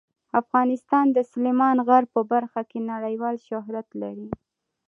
افغانستان د سلیمان غر په برخه کې نړیوال شهرت لري.